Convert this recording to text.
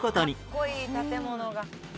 かっこいい建物が。